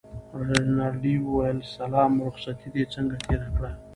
رینالډي وویل سلام رخصتې دې څنګه تېره کړه.